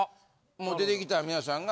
出てきた皆さんが。